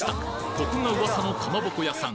ここが噂のかまぼこ屋さん